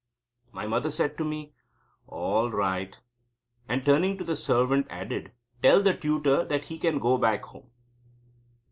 My mother said to me: "All right," and turning to the servant added: "Tell the tutor that he can go back home."